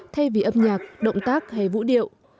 thay vì âm nhạc động tác hay vũ điệu